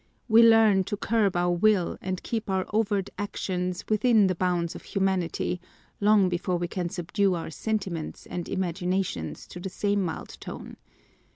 We learn to curb our will and keep our overt actions within the bounds of humanity, long before we can subdue our sentiments and imaginations to the same mild tone.